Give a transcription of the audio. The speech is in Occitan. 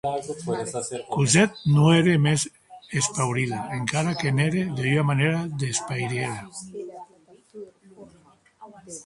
Cosette non ère mens espaurida, encara que n’ère de ua manèra desparièra.